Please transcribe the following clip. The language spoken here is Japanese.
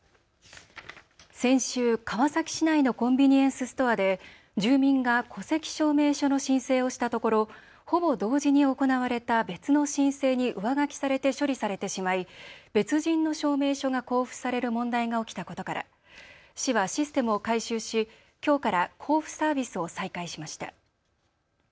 先週、川崎市内のコンビニエンスストアで住民が戸籍証明書の申請をしたところほぼ同時に行われた別の申請に上書きされて処理されてしまい別人の証明書が交付される問題が起きたことから市はシステムを改修しきょうから交付サービスを再開しました。